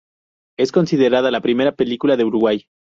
Es considerada la primera película de Uruguay.